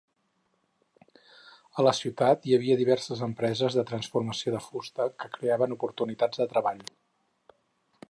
A la ciutat hi havia diverses empreses de transformació de fusta que creaven oportunitats de treball.